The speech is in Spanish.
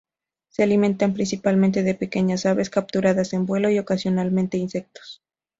Se alimenta principalmente de pequeñas aves capturadas en vuelo y ocasionalmente insectos.